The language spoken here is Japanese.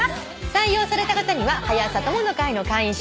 採用された方には「はや朝友の会」の会員証そして。